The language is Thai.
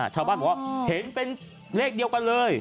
ชาวบ้านบอกว่าเห็นเป็นเลขเดียวกันเลย